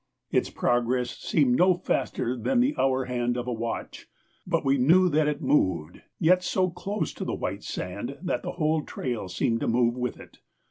Its progress seemed no faster than the hour hand of a watch, but we knew that it moved, yet so close to the white sand that the whole trail seemed to move with it.